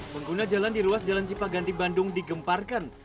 pengguna jalan di ruas jalan cipaganti bandung digemparkan